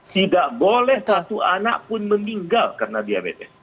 tidak boleh satu anak pun meninggal karena diabetes